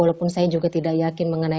walaupun saya juga tidak yakin mengenai